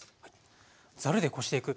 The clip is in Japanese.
ザルでこしていく。